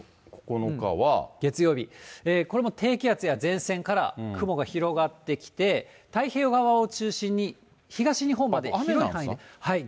月曜日、これも低気圧や前線から雲が広がってきて、太平洋側を中心に、雨なんですか。